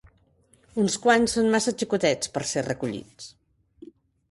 Uns quants són massa xicotets per ser recollits.